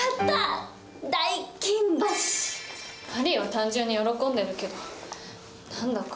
単純に喜んでるけど何だか。